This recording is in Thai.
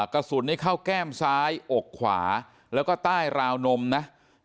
กระสุนนี้เข้าแก้มซ้ายอกขวาแล้วก็ใต้ราวนมนะ